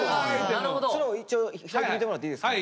一応開いてみてもらっていいですか。